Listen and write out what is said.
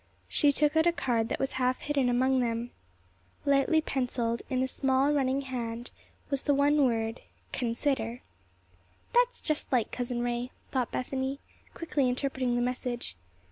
She took out a card that was half hidden among them. Lightly penciled, in a small, running hand, was the one word "Consider!" "That's just like Cousin Ray," thought Bethany, quickly interpreting the message.